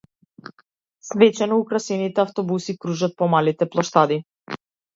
Свечено украсените автобуси кружат по малите плоштади.